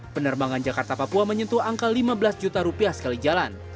penerbangan jakarta papua menyentuh angka lima belas juta rupiah sekali jalan